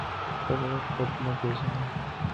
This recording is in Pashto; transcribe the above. ته به يې خود نه پېژنې.